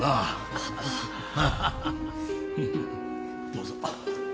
どうぞ。